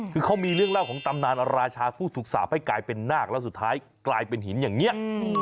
คือเขามีเรื่องเล่าของตำนานราชาผู้ถูกสาปให้กลายเป็นนาคแล้วสุดท้ายกลายเป็นหินอย่างนี้